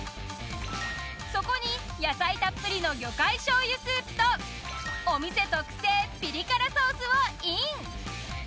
そこに野菜たっぷりの魚介醤油スープとお店特製ピリ辛ソースをイン。